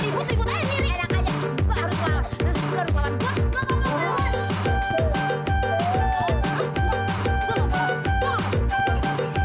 gue gak mau kelawan